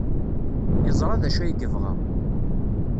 Yeẓra d acu ay yebɣa.